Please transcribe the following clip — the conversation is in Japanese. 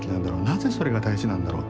なぜそれが大事なんだろう。